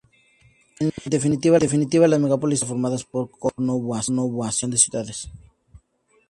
En definitiva, las megalópolis suelen estar formadas por conurbaciones de grandes ciudades.